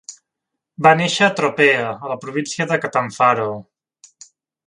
Va néixer a Tropea, a la província de Catanzaro.